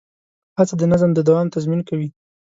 هڅه د نظم د دوام تضمین کوي.